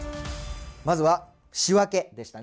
まずは仕分けでしたね。